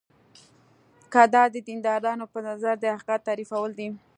که دا د دیندارانو په نظر د حقیقت تحریفول دي.